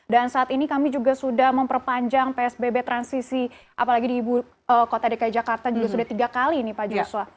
dan saat ini kami juga sudah memperpanjang psbb transisi apalagi di kota dki jakarta juga sudah tiga kali nih pak joshua